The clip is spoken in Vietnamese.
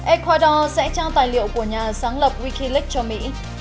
ecuador sẽ trao tài liệu của nhà sáng lập wikileaks cho mỹ